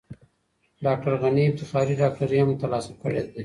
ډاکټر غني افتخاري ډاکټرۍ هم ترلاسه کړې دي.